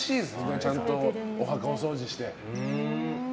ちゃんとお墓をお掃除して。